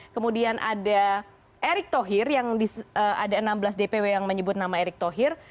kemudian ada erick thohir yang ada enam belas dpw yang menyebut nama erick thohir